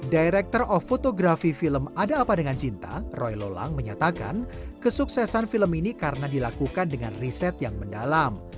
director of photography film ada apa dengan cinta roy lolang menyatakan kesuksesan film ini karena dilakukan dengan riset yang mendalam